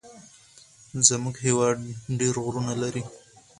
زمونږ هيواد ډير غرونه لري.